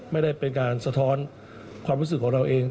ไม่ได้เป็นการสะท้อนความรู้สึกของเราเอง